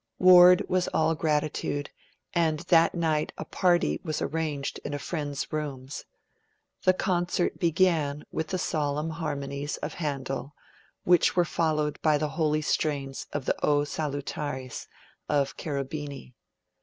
Ward was all gratitude, and that night a party was arranged in a friend's rooms. The concert began with the solemn harmonies of Handel, which were followed by the holy strains of the 'Oh Salutaris' of Cherubini.